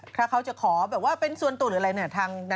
ถ้าเขาจะขอแบบว่าเป็นส่วนตัวหรืออะไรเนี่ย